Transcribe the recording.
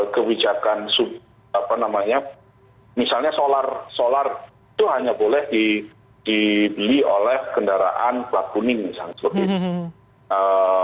kebijakan misalnya solar itu hanya boleh dibeli oleh kendaraan pelakuning misalnya